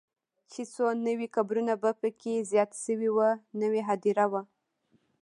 چې څو نوي قبرونه به پکې زیات شوي وو، نوې هدیره وه.